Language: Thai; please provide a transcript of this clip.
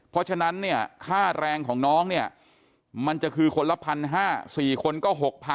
เพราะฉะนั้นเนี่ยค่าแรงของน้องเนี่ยมันจะคือคนละ๑๕๐๐๔คนก็๖๐๐๐